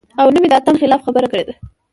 او نۀ مې د اتڼ خلاف خبره کړې ده -